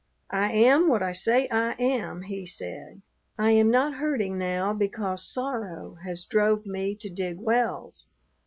"I am what I say I am," he said. "I am not herding now because sorrow has drove me to dig wells.